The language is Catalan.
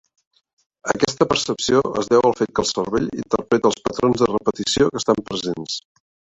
Aquesta percepció es deu al fet que el cervell interpreta els patrons de repetició que estan presents.